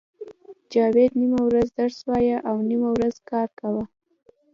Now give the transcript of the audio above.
جاوید نیمه ورځ درس وایه او نیمه ورځ کار کاوه